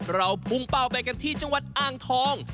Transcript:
เราพุ่งเป้าไปกันที่จังหวัดอ่างทอง